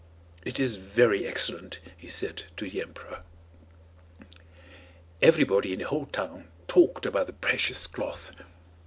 "It is very excellent," he said to the emperor. Everybody in the whole town talked about the precious cloth.